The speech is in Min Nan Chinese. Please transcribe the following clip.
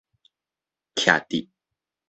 徛佇